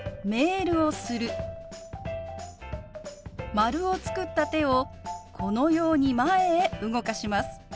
丸を作った手をこのように前へ動かします。